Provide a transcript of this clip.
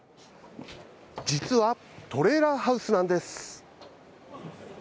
実は、トレーラーハウスなんです。